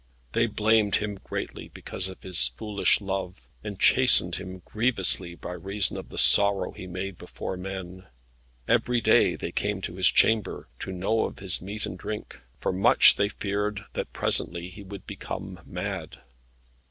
They blamed him greatly because of his foolish love, and chastened him grievously by reason of the sorrow he made before men. Every day they came to his chamber, to know of his meat and drink, for much they feared that presently he would become mad.